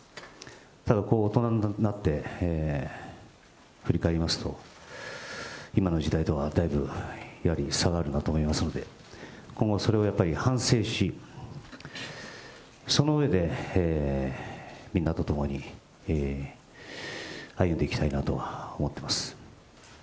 ただ、大人になって振り返りますと、今の時代とはだいぶやはり差があるなと思いますので、今後、それをやっぱり反省し、その上で、みんなと共に歩んでいきたいなと思っています。